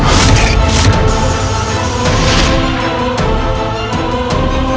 masakan jurus sempat pasar ini